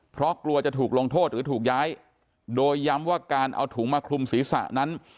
เพราะกลัวจะถูกลงโทษหรือถูกย้ายโดยย้ำว่าการเอาถุงมาคลุมศีรษะนั้น